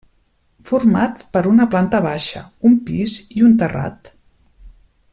Format per una planta baixa, un pis i un terrat.